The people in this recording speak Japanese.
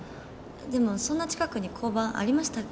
でもそんな近くに交番ありましたっけ？